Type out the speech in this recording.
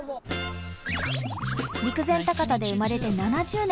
陸前高田で生まれて７０年。